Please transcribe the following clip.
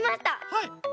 はい。